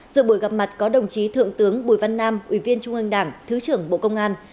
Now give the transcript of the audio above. dự buổi gặp mặt có đồng chí thượng tướng bùi văn nam ủy viên trung ương đảng thứ trưởng bộ công an